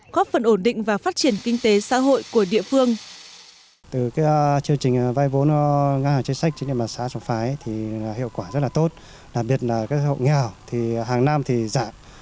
góp phần ổn định và phát triển kinh tế xã hội của địa phương